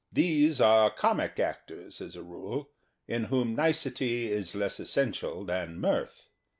These are comic actors, as a rule, in whom nicety is less essential than mirth.